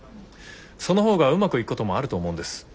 その方がうまくいくこともあると思うんです。